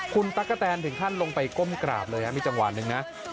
คุณตั๊กกะแตนถึงขั้นลงไปก้มกราบเลยมีจังหวะหนึ่งนะ